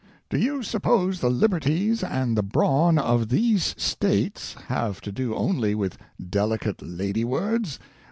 "Do you suppose the liberties and the Brawn of These States have to do only with delicate lady words?